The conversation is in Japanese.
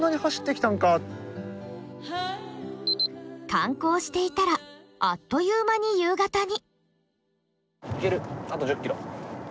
観光していたらあっという間に夕方に。